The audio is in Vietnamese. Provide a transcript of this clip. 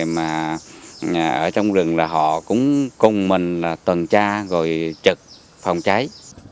mà ở trong rừng là họ cũng cùng mình là tuần tra rồi trực phòng cháy